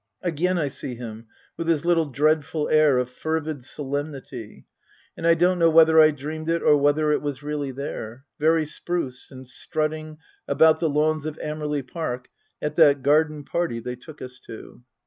Again I see him, with his little dreadful air of fervid solemnity and I don't know whether I dreamed it or whether it was really there very spruce and strutting about the lawns of Amerley Park at that garden party they took us to.